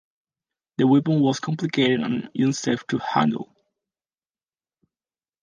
The weapon was complicated and unsafe to handle.